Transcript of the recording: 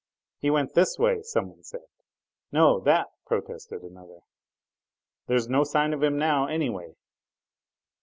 "He went this way!" someone said. "No; that!" protested another. "There's no sign of him now, anyway."